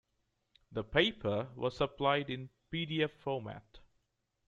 The paper was supplied in pdf format.